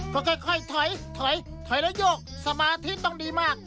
เพราะค่อยถอยถอยถอยแล้วยกสมาธิต้องดีมาก